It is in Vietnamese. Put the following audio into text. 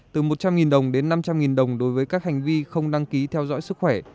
từ một trăm linh đồng đến năm trăm linh đồng đối với các hành vi không đăng ký theo dõi sức khỏe